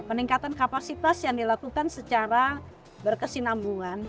peningkatan kapasitas yang dilakukan secara berkesinambungan